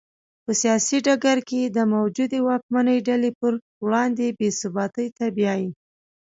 په سیاسي ډګر کې د موجودې واکمنې ډلې پر وړاندې بې ثباتۍ ته بیايي.